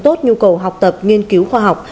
tốt nhu cầu học tập nghiên cứu khoa học